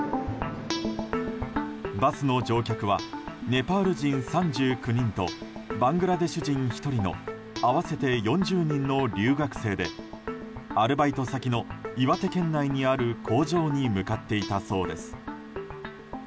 バスの乗客はネパール人３９人とバングラデシュ人１人の合わせて４０人の留学生でアルバイト先の岩手県内にある工場に向かっていたそうです。